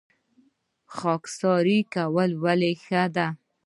خاکساري کول ولې ښه دي؟